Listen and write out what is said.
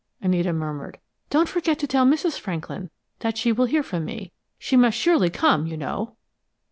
Anita murmured. "Don't forget to tell Mrs. Franklin that she will hear from me. She must surely come, you know!"